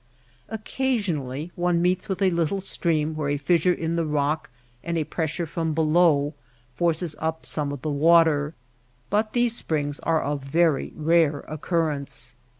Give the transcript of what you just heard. Occasionally one meets with a little stream where a fissure in the rock and a pressure from below forces up some of the water ; but these springs are of very rare occurrence.